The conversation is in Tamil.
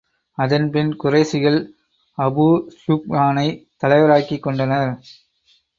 அதன்பின் குறைஷிகள் அபூஸூப்யானைத் தலைவராக்கிக் கொண்டனர்.